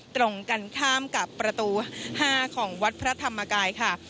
ตรงกันข้ามกับประตู๕ของวัดพระธรรมกายค่ะ